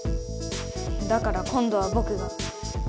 だから今度はぼくが。